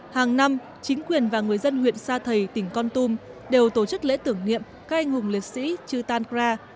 hàng năm chính quyền và người dân huyện sa thầy tỉnh con tum đều tổ chức lễ tưởng niệm các anh hùng liệt sĩ chutankra